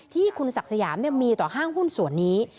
ที่คุณศักดิ์สยามมีต่อห้างหุ้นส่วนนี้